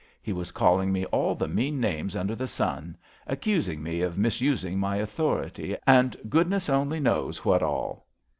He was calling me all the mean names under the sun, accusing me of misusing my au thority and goodness only knows what all.